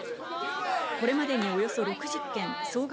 これまでにおよそ６０件、総額